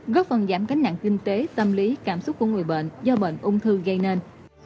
góp phần giảm cánh nặng kinh tế tâm lý cảm xúc của người bệnh do bệnh ung thư gây nên